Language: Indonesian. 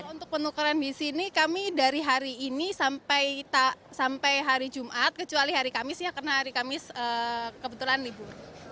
untuk penukaran di sini kami dari hari ini sampai hari jumat kecuali hari kamis ya karena hari kamis kebetulan libur